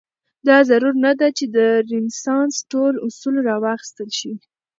دا ضرور نه ده چې د رنسانس ټول اصول راواخیستل شي.